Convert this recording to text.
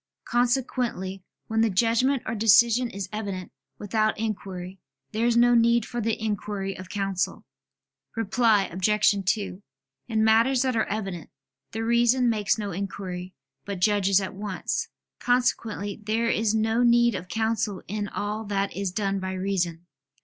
Consequently when the judgment or decision is evident without inquiry, there is no need for the inquiry of counsel. Reply Obj. 2: In matters that are evident, the reason makes no inquiry, but judges at once. Consequently there is no need of counsel in all that is done by reason.